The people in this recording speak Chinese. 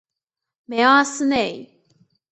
梅阿斯内。